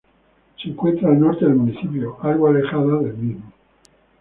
Se encuentra al norte del municipio, algo alejada del mismo.